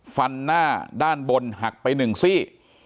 ฟันหน้าด้านบนหักไป๑ซี่